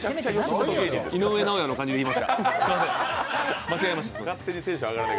井上尚弥の感じで言いました、すみません。